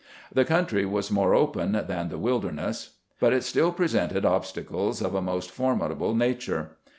The country ■was more open than the Wilderness, but it stUl presented obstacles of a most formidable nature.